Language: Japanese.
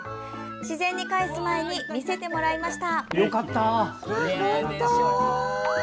自然にかえす前に見せてもらいました。